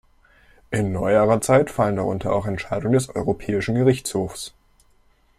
In neuerer Zeit fallen darunter auch Entscheidungen des Europäischen Gerichtshofs.